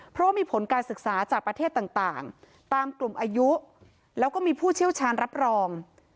เพราะว่ามีผลการศึกษาจากประเทศต่างตามกลุ่มอายุแล้วก็มีผู้เชี่ยวชาญรับรอง